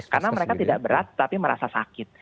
karena mereka tidak berat tapi merasa sakit